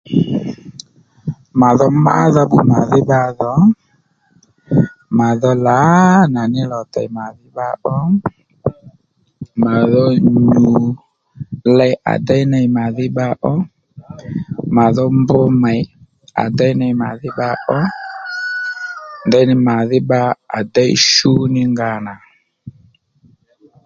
Madho mádha bbu màdhí bba dho màdho lǎnà ní lò tey màdhí bba ò màdho nyu ley à déy ney màdhí bba ó màdho mbr mèy à déy ney màdhí bba ó ndeyní mà dhí bba à déy shú nì nga nà